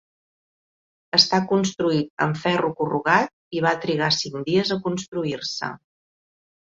Està construït amb ferro corrugat i va trigar cinc dies a construir-se.